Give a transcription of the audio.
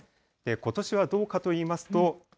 ことしはどうかといいますと。